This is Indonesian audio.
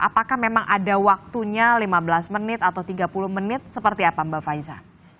apakah memang ada waktunya lima belas menit atau tiga puluh menit seperti apa mbak faiza